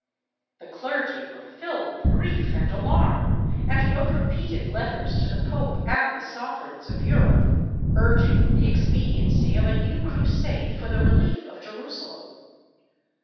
The clergy were filled with grief and alarm, and wrote repeated letters to the Pope and the sovereigns of Europe, urging the expediency of a new Crusade for the relief of Jerusalem.